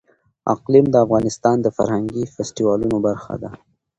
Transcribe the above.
اقلیم د افغانستان د فرهنګي فستیوالونو برخه ده.